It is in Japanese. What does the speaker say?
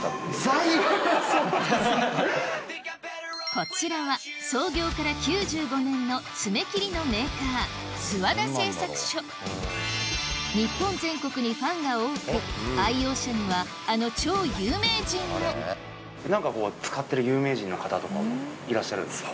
こちらは爪切りのメーカー日本全国にファンが多く愛用者にはあの超有名人も何かこう使ってる有名人の方とかいらっしゃるんですか？